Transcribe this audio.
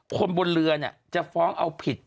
คนบนเรือเนี่ยจะฟ้องเอาผิด